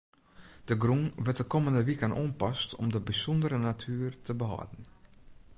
De grûn wurdt de kommende wiken oanpast om de bysûndere natuer te behâlden.